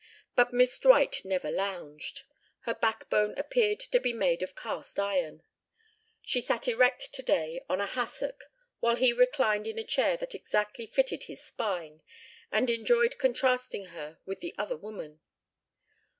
But Miss Dwight never lounged. Her backbone appeared to be made of cast iron. She sat erect today on a hassock while he reclined in a chair that exactly fitted his spine and enjoyed contrasting her with the other woman.